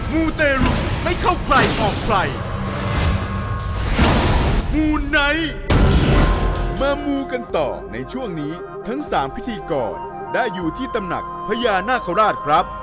มูนไหนมามูกันต่อในช่วงนี้ทั้งสามพิธีกรได้อยู่ที่ตำหนักพญานาคาราชครับ